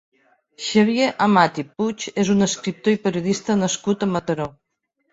Xavier Amat i Puig és un escriptor i periodista nascut a Mataró.